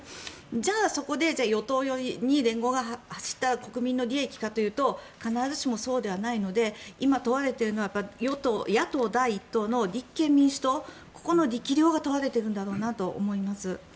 じゃあそこで与党寄りに連合が走ったら国民の利益かというと必ずしもそうではないので今問われているのは野党第１党の立憲民主党ここの力量が問われていると思います。